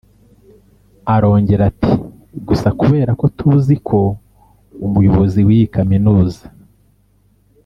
Arongera ati “gusa kubera ko tuziko umuyobozi w’iyi kaminuza